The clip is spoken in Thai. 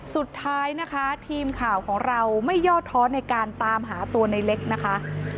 สุดท้ายนะคะทีมข่าวของเราไม่ย่อท้อในการตามหาตัวในเล็กนะคะ